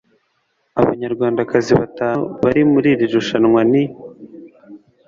Abanyarwandakazi batanu bari muri iri rushanwa ni